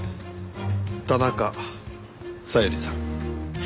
田中小百合さん。